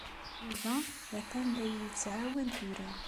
Yuba ha-t-an la iyi-yettɛawan tura.